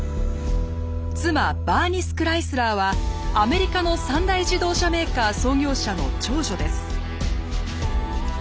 バーニス・クライスラーはアメリカの三大自動車メーカー創業者の長女です。